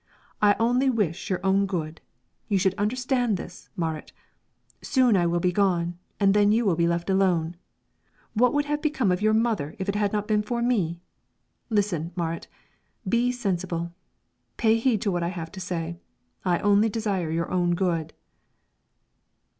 I only wish your own good; you should understand this, Marit. Soon I will be gone, and then you will be left alone. What would have become of your mother if it had not been for me? Listen, Marit; be sensible, pay heed to what I have to say. I only desire your own good."